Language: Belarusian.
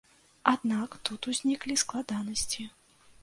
Аднак тут узніклі складанасці.